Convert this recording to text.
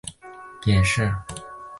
清朝官员。